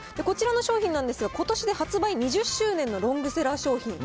こちらの商品なんですが、ことしで発売２０周年のロングセラー商品。